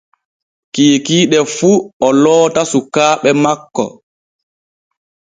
Kikiiɗe fu o loota sukaaɓe makko.